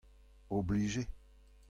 Oblij eo.